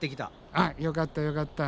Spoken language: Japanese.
あっよかったよかった。